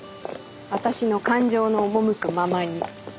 私の感情の赴くままに。